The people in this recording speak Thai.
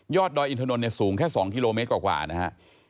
ยอดดอยอินทนนท์สูงแค่๒กิโลเมตรกว่านะฮะ